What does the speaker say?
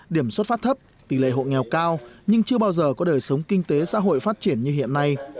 điểm xuất phát thấp tỷ lệ hộ nghèo cao nhưng chưa bao giờ có đời sống kinh tế xã hội phát triển như hiện nay